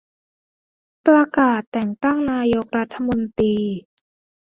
ประกาศแต่งตั้งนายกรัฐมนตรี